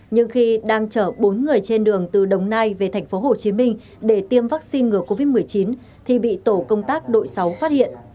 nhưng khi đang chở bốn người trên đường từ đồng nai về tp hcm để tiêm vaccine ngừa covid một mươi chín thì bị tổ công tác đội sáu phát hiện